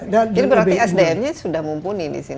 jadi berarti sdm nya sudah mumpuni di sini